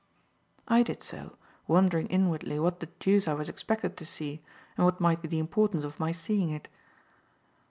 I did so, wondering inwardly what the deuce I was expected to see and what might be the importance of my seeing it.